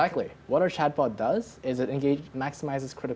apa yang dilakukan chatbot ini adalah menggabungkan pemikiran kritik